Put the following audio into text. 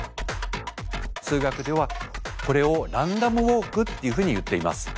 数学ではこれをランダムウォークっていうふうにいっています。